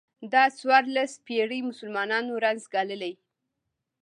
دا څوارلس پېړۍ مسلمانانو رنځ ګاللی.